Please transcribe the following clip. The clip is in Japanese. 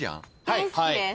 大好きです。